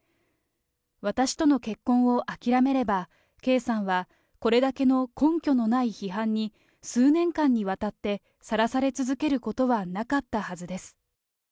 私との結婚を諦めれば、圭さんは、これだけの根拠のない批判に数年間にわたってさらされ続けることはなかったはずです。